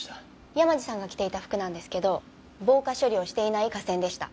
山路さんが着ていた服なんですけど防火処理をしていない化繊でした。